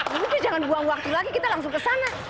udah jangan buang waktu lagi kita langsung kesana